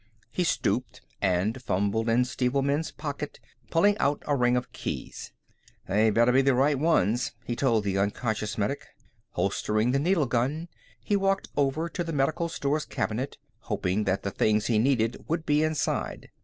He stooped and fumbled in Stevelman's pocket, pulling out a ring of keys. "They better be the right ones," he told the unconscious medic. Holstering the needle gun, he walked over to the medical stores cabinet, hoping that the things he needed would be inside.